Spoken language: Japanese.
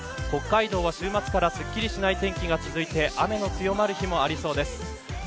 北海道は週末からすっきりしない天気が続いて雨の強まる日もありそうです。